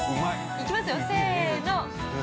◆いきますよ、せの！